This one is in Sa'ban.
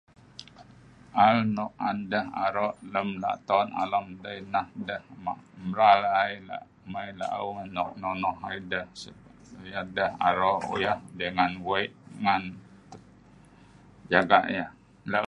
[unintelligible] nok an deh aro' lem laton alam dei nah deh ma mbral ai la' mai laou nok nonoh ai deh si nah supaya deh aro' yah dengan wei' ngan [unintelligible] jagak yah lo'